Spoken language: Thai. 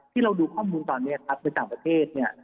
เราดูข้อมูลตอนนี้ครับในต่างประเทศเนี่ย